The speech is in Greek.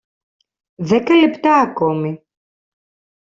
Δέκα λεπτά ακόμη